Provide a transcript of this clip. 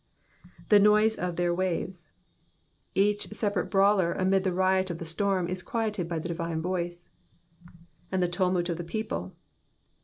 77i« noise of their waves,"* ^ Each separate brawler amid the riot of the storm is quieted by the divine voice. ^''And the tumvlt of the people.